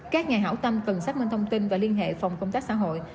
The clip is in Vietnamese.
các nhà hảo tâm cần xác minh thông tin và liên hệ phòng công tác xã hội